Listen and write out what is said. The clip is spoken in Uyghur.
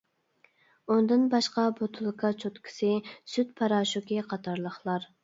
ئۇندىن باشقا بوتۇلكا چوتكىسى، سۈت پاراشوكى قاتارلىقلار.